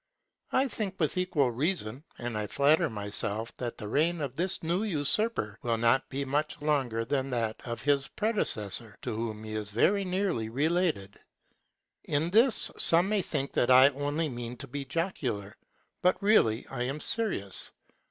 I think with equal reason, and I flatter myself that the reign of this new usurper will not be much longer than that of his predecessor, to whom he is very nearly related.In this some may think that I only mean to be jocular, but really I am serious.